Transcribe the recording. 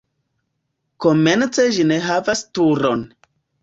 Komence ĝi ne havis turon.